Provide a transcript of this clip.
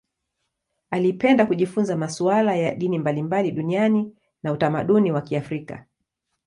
Alipenda kujifunza masuala ya dini mbalimbali duniani na utamaduni wa Kiafrika.